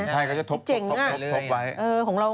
ใช่ก็จะทบอย่างนั้น